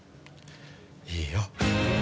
いいよ。